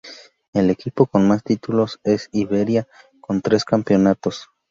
El equipo con más títulos es Iberia, con tres campeonatos.